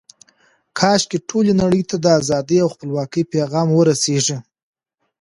کاشکې ټولې نړۍ ته د ازادۍ او خپلواکۍ پیغام ورسیږي.